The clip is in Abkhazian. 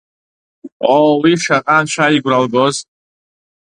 Оо, уи шаҟа Анцәа игәра лгоз!